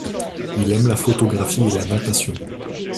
Il aime la photographie et la natation.